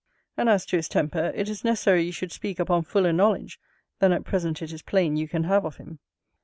And as to his temper, it is necessary you should speak upon fuller knowledge, than at present it is plain you can have of him.